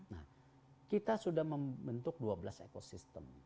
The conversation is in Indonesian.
nah kita sudah membentuk dua belas ekosistem